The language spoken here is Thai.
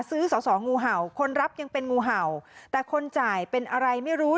ซื้อสอสองูเห่าคนรับยังเป็นงูเห่าแต่คนจ่ายเป็นอะไรไม่รู้